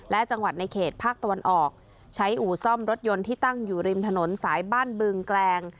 และจังหวัดในเขตภาคตะวันออกใช้อู่ซ่อมรถยนต์ที่ตั้งอยู่ริมถนนสายบ้านบึงแกลง